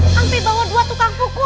sampai bawa dua tukang buku